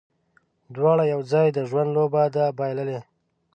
دواړو یو ځای، د ژوند لوبه ده بایللې